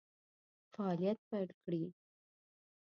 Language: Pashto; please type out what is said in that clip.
فعالیت پیل کړي.